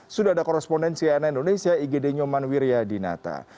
sudah ada korespondensi ana indonesia igd nyoman wiryadinata